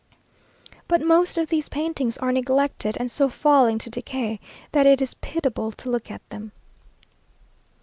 But most of these paintings are neglected, and so falling to decay that it is pitiable to look at them.